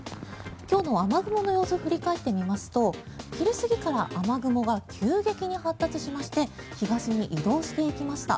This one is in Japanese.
今日の雨雲の様子を振り返ってみますと昼過ぎから雨雲が急激に発達しまして東に移動していきました。